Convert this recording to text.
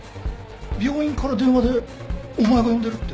病院から電話でお前が呼んでるって。